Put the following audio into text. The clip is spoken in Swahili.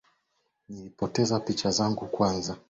Nilipoteza picha yangu ya kwanza